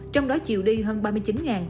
quốc tế đạt hơn ba mươi chín